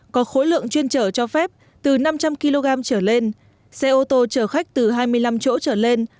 có khối lượng chuyên trở cho phép từ năm trăm linh kg trở lên xe ô tô chở khách từ hai mươi năm chỗ trở lên